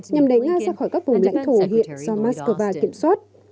nhằm đẩy nga ra khỏi các vùng lãnh thổ hiện do moscow kiểm soát